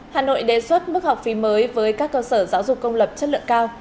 hà nội đề xuất mức học phí mới với các cơ sở giáo dục công lập chất lượng cao